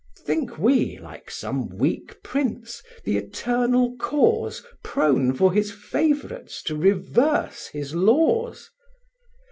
Think we, like some weak prince, the Eternal Cause Prone for His favourites to reverse His laws?